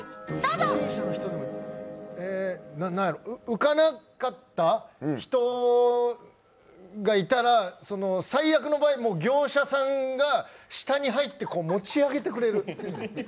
浮かなかった人がいたら、最悪の場合、業者さんが下に入って持ち上げてくれる。